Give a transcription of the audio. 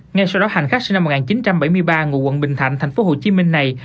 ngay sau đó hành khách sinh năm một nghìn chín trăm bảy mươi ba ngụ quận bình thạnh tp hcm này